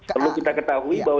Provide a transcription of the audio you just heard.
perlu kita ketahui bahwa